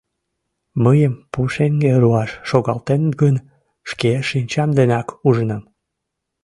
Мыйым пушеҥге руаш шогалтеныт гын, шке шинчам денак ужынам.